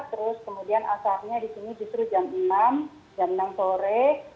terus kemudian asapnya disini justru jam enam jam enam sore